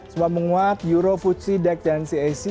semua menguat euro fuji dec dan cac